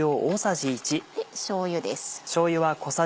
しょうゆです。